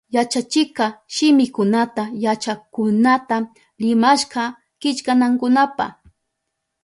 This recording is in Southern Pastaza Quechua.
Yachachikka shimikunata yachakukkunata rimashka killkanankunapa.